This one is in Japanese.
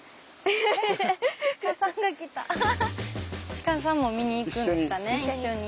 鹿さんも見に行くんですかね一緒に。